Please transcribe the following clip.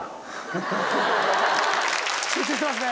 集中してますね。